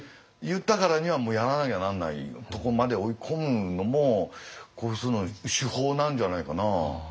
言ったからにはもうやらなきゃなんないとこまで追い込むのもこういう人の手法なんじゃないかな。